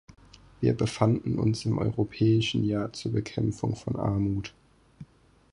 Wir befanden uns im Europäischen Jahr zur Bekämpfung von Armut.